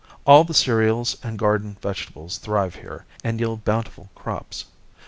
All the cereals and garden vegetables thrive here, and yield bountiful crops.